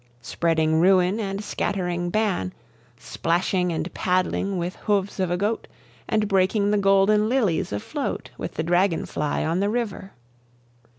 Spreading ruin and scattering ban, Splashing and paddling with hoofs of a goat, And breaking the golden lilies afloat With the dragon fly on the river.